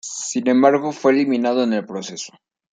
Sin embargo fue eliminado en el proceso.